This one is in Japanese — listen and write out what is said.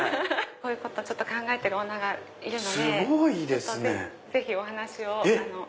こういうこと考えてるオーナーがいるのでぜひお話を。